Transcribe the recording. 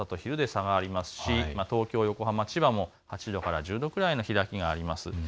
さいたま１３度、東京、横浜、千葉も８度から１０度くらいの開きがあります。